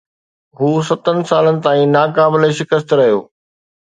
هو ستن سالن تائين ناقابل شڪست رهيو.